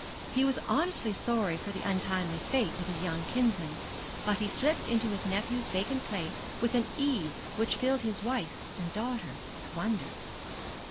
He was honestly sorry for the untimely fate of his young kinsmen; but he slipped into his nephew's vacant place with an ease which filled his wife and daughter with wonder.